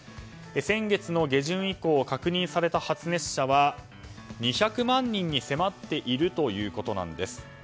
先月の下旬以降確認された発熱者は２００万人に迫っているということなんです。